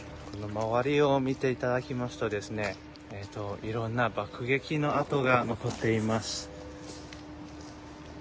周りを見ていただきますと、いろんな爆撃の跡が残っています。